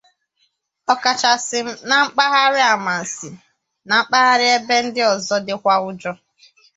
ọkachasị na mpaghara Amansea na mpaghara ebe ndị ọzọ dịkwa njọ